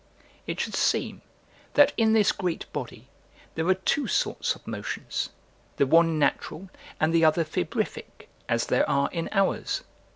It should seem, that in this great body, there are two sorts of motions, the one natural and the other febrific, as there are in ours.